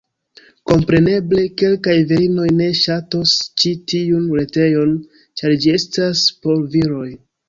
Kompreneble, kelkaj virinoj ne ŝatos ĉi tiun retejon, ĉar ĝi estas por viroj.